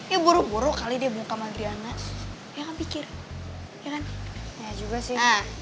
ya buruk buruk kali dia bungkam adriana ya kan pikir ya kan ya juga sih